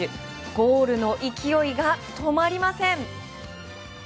ゴールの勢いが止まりません。